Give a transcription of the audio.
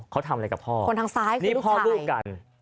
เขาทำอะไรกับพ่อนี่พ่อลูกกัน